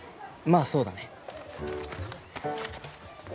まあそうだね。